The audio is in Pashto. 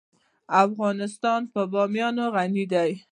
افغانستان په بامیان غني دی.